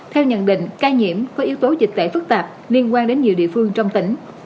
theo nhận định ca nhiễm có yếu tố dịch tễ phức tạp liên quan đến nhiều địa phương trong tỉnh